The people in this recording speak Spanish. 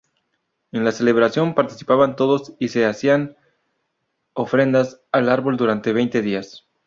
En la celebración participaban todos, y se hacían ofrendas al árbol durante veinte días.